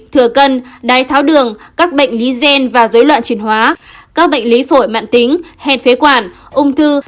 thừa cân đái tháo đường các bệnh lý gen và dối loạn truyền hóa các bệnh lý phổi mạng tính hẹn phế quản ung thư